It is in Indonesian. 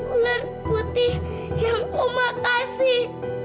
ular putih yang mama kasih